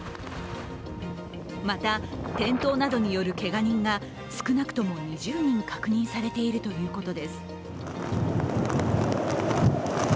また、転倒などによるけが人が少なくとも２０人確認されているということです。